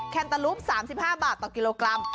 แนตาลูป๓๕บาทต่อกิโลกรัม